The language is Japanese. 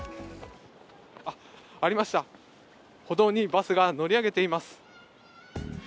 ありました、歩道にバスが乗り上げています。